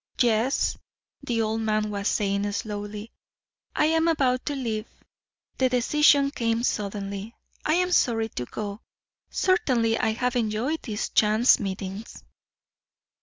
"Yes," the old man was saying slowly. "I am about to leave. The decision came suddenly. I am sorry to go. Certainly I have enjoyed these chance meetings."